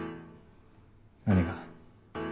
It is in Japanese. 何が？